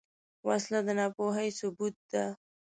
وسله د ناپوهۍ ثبوت ده